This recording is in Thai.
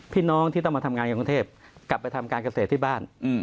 พี่น้องที่ต้องมาทำงานอยู่กรุงเทพกลับไปทำการเกษตรที่บ้าน